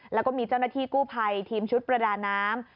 แล้วก็มีเจ้าหน้าที่กู้ภัยทีมชุดประดาน้ำ